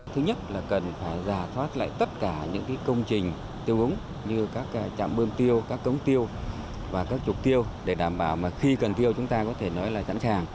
thứ nhất là cần phải giả thoát lại tất cả những công trình tiêu úng như các trạm bơm tiêu các cống tiêu và các trục tiêu để đảm bảo khi cần tiêu chúng ta có thể nói là sẵn sàng